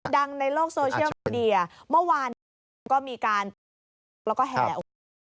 ดังในโลกโซเชียลมีดีอ่ะเมื่อวานก็มีการแล้วก็แหล่ง